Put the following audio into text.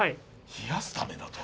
冷やすためだと。